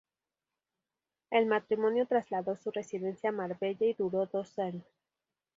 El matrimonio trasladó su residencia a Marbella y duró dos años.